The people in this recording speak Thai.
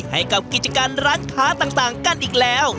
ให้กับกิจการร้านค้าต่างกันอีกแล้ว